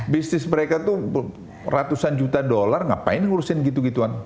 bisnis mereka tuh ratusan juta dollar ngapain ngurusin gitu gituan